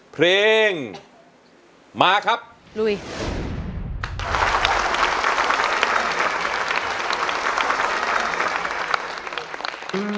เพลงแรกของเจ้าเอ๋ง